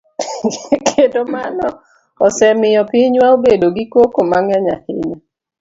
Kendo mano osemiyo pinywa obedo gi koko mang'eny ahinya.